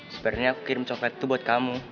sebenarnya aku kirim coklat itu buat kamu